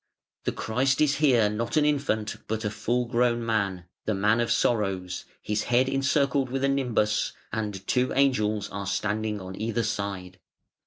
The Christ is here not an infant but a full grown man, the Man of Sorrows, His head encircled with a nimbus, and two angels are standing on either side.